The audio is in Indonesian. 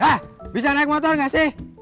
hah bisa naik motor gak sih